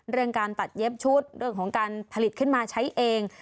เรื่องการตัดเย็บชุดเรื่องของการผลิตขึ้นมาใช้เอง